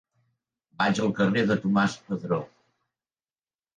Vaig al carrer de Tomàs Padró.